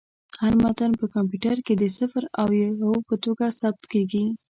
هر متن په کمپیوټر کې د صفر او یو په توګه ثبت کېږي.